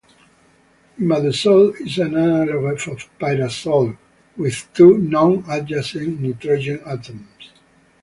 Imidazole is an analog of pyrazole with two "non"-adjacent nitrogen atoms.